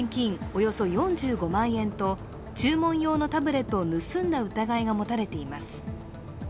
およそ４５万円と注文用のタブレットを盗んだ疑いが持たれています。